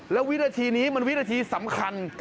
แล้ววินาทีนี้มันวินาทีสำคัญ